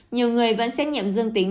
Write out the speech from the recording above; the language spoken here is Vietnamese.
nhiều người vẫn xét nhiệm dương tính